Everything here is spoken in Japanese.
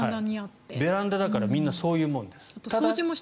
ベランダだからみんなそういうものです。